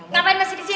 ngapain masih disini